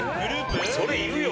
それいるよ。